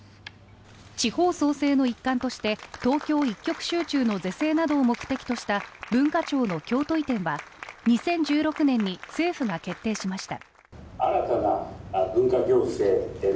地方創生の一環として東京一極集中の是正などを目的とした文化庁の京都移転は２０１６年に政府が決定しました。